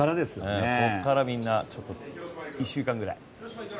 ここからみんな、１週間ぐらい。